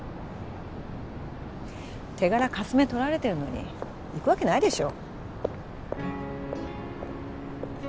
手柄かすめとられてるのに行くわけないでしょ